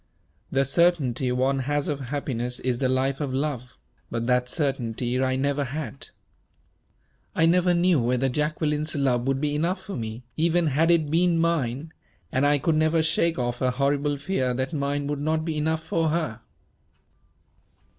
The certainty one has of happiness is the life of love; but that certainty I never had. I never knew whether Jacqueline's love would be enough for me, even had it been mine; and I could never shake off a horrible fear that mine would not be enough for her."